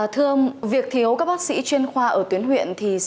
thưa ông việc thiếu các bác sĩ chuyên khoa ở tuyến huyện